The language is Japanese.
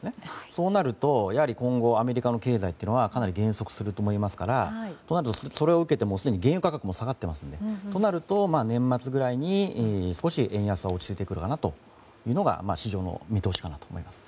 そうなると、やはり今後はアメリカの経済はかなり減速すると思いますからそれを受けて原油価格も下がっていますので、そうなると年末ぐらいに少し円安は落ち着いてくるかなというのが市場の見通しかなと思います。